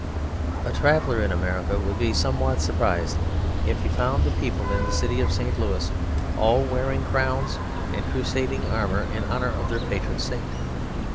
A traveller in America would be somewhat surprised if he found the people in the city of St. Louis all wearing crowns and crusading armour in honour of their patron saint.